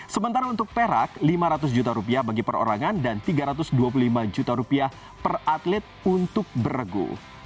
sementara untuk perak lima ratus juta rupiah bagi perorangan dan rp tiga ratus dua puluh lima juta rupiah per atlet untuk beregu